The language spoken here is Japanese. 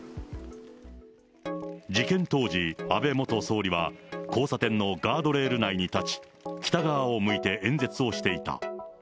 事件当時、安倍元総理は、交差点のガードレール内に立ち、北側を向いて演説をしていた。